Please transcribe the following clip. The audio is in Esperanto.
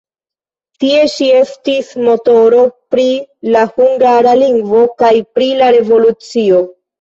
Tie ŝi estis motoro pri la hungara lingvo kaj pri la revolucio.